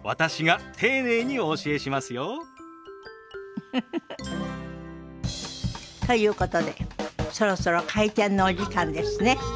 ウフフフ。ということでそろそろ開店のお時間ですね。